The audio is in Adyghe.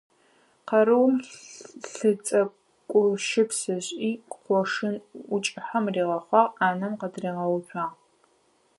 Къэрэум лыцӀыкӀущыпс ышӀи, къошын ӀукӀыхьэм ригъэхъуагъ, Ӏанэм къытригъэуцуагъ.